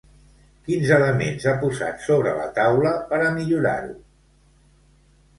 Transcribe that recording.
Quins elements ha posat sobre la taula per a millorar-ho?